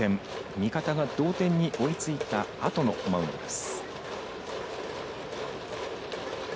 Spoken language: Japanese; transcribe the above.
味方が同点に追いついたあとのマウンドです。